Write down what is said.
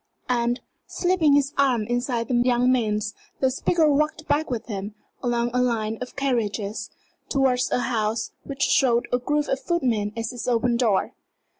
And, slipping his arm inside the young man's, the speaker walked back with him, along a line of carriages, towards a house which showed a group of footmen at its open door.